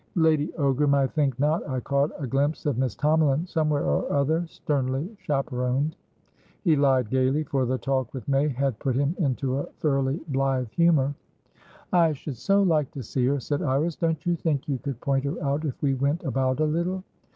"Lady Ogram, I think not. I caught a glimpse of Miss Tomalin somewhere or other, sternly chaperoned." He lied gaily, for the talk with May had put him into a thoroughly blithe humour. "I should so like to see her," said Iris. "Don't you think you could point her out, if we went about a little."